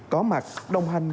có mặt đồng hành